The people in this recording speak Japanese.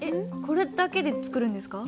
これだけで作るんですか？